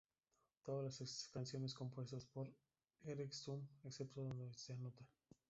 Todas las canciones compuestas por Erentxun excepto donde se anota.